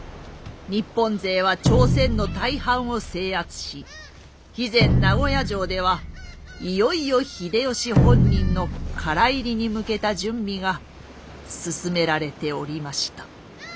日本勢は朝鮮の大半を制圧し肥前名護屋城ではいよいよ秀吉本人の唐入りに向けた準備が進められておりました。